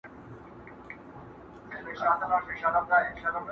ځمکه سخته ده.